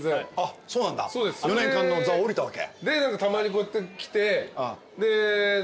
そうなんだ４年間の座を降りたわけ。